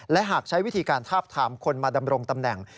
และหากใช้วิธีการทาบทามคนมาดำรงตำแหน่ง